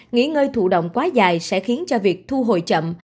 nghỉ ngơi thụ động quá dài sẽ khiến cho việc thu hồi chậm